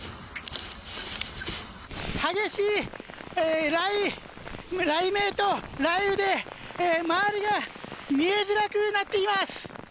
激しい雷鳴と雷雨で周りが見えづらくなっています。